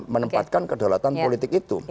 menempatkan kedalatan politik itu